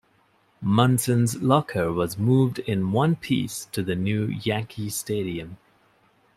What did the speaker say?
Munson's locker was moved in one piece to the New Yankee Stadium.